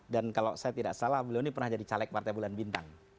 dan kalau saya tidak salah beliau ini pernah jadi caleg partai bulan bintang